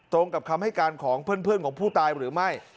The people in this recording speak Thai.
กับคำให้การของเพื่อนของผู้ตายหรือไม่